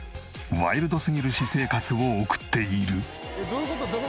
ワイルドすぎる私生活を送っている？